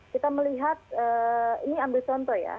kita melihat ini ambil contoh ya